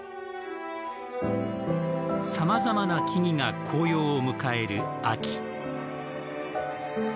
さまざまな木々が紅葉を迎える秋。